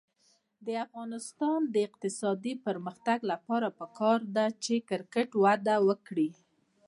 د افغانستان د اقتصادي پرمختګ لپاره پکار ده چې کرکټ وده وکړي.